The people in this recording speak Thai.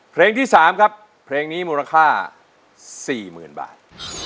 เพลงที่๓ครับเพลงนี้มูลค่า๔๐๐๐บาท